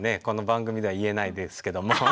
この番組では言えないですけども。